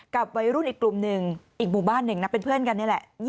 กับวัยรุ่นอีกกลุ่มหนึ่งอีกหมู่บ้านหนึ่งนะเป็นเพื่อนกันนี่แหละ